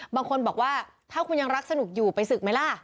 บางคนบอกว่าถ้าคุณยังรักสนุกอยู่ไปศึกไหมล่ะ